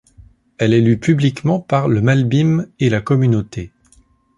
Elle est lue publiquement par le Malbim et la Communauté.